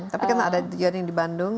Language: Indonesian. tapi kan ada yang di bandung